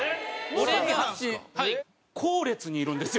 向：後列にいるんですよ。